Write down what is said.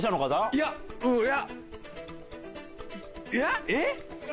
いやえっ？